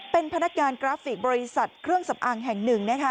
เป็นพนักงานกราฟิกบริษัทเครื่องสำอางแห่งหนึ่งนะคะ